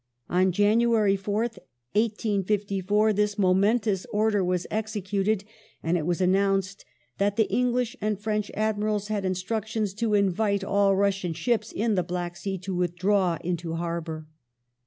On Janu jJ^^j^g^^^ ary 4th, 1854, this momentous order was executed, and it was Black Sea, announced that the English and French admirals had instructions "^^"'^^"^ to "invite" all Russian ships in the Black Sea to withdraw into harbour.